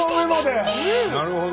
なるほど。